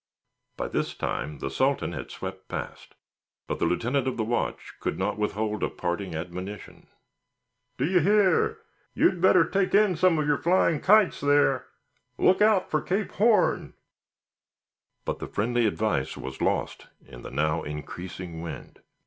By this time the Sultan had swept past, but the lieutenant of the watch could not withhold a parting admonition. "D'ye hear? You'd better take in some of your flying kites there. Look out for Cape Horn!" But the friendly advice was lost in the now increasing wind.